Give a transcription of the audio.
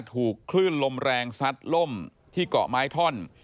ถูกคลื่นลมแรงซัดล่มที่เกาะไม้ท่อน